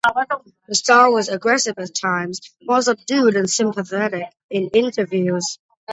Her style was aggressive at times, more subdued and sympathetic in interviews.